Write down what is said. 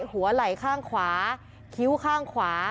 หัวไหล่ข้างขวาคิ้วข้างขวา